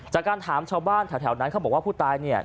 จากการถามชาวบ้านแถวนั้นเขาบอกว่าผู้ตายเนี่ย